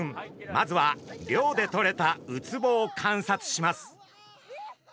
まずは漁でとれたウツボを観察します。